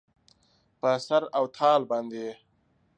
په سر او تال باندې یې